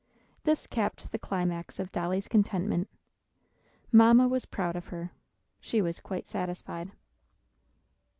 This capped the climax of Dolly's contentment. Mamma was proud of her; she was quite satisfied.